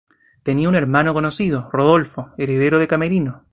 Tenía un hermano conocido, Rodolfo, heredero de Camerino.